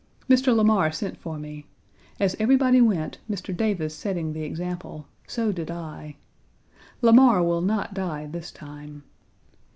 Mr. Lamar sent for me. As everybody went, Mr. Davis setting the example, so did I. Lamar will not die this time.